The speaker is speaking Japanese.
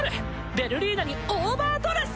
ヴェルリーナにオーバードレス！